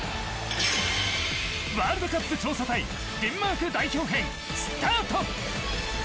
ワールドカップ調査隊デンマーク代表編スタート。